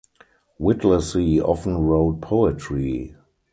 Whittlesey often wrote poetry.